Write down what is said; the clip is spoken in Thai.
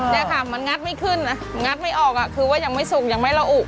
นี่ค่ะมันงัดไม่ขึ้นนะงัดไม่ออกคือว่ายังไม่สุกยังไม่ระอุ